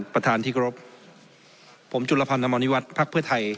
ประทานที่กรุปผมจุฬพันธ์ตำรวจภาคเพื่อไทย